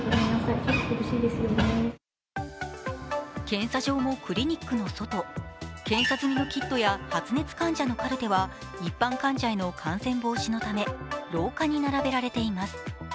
検査場もクリニックの外、検査済みのキットや発熱患者のカルテは、一般患者への感染防止のため廊下に並べられています。